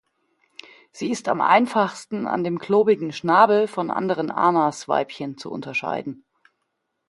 Sie ist am einfachsten an dem klobigen Schnabel von anderen "Anas"-Weibchen zu unterscheiden.